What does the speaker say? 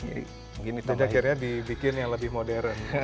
jadi akhirnya dibikin yang lebih modern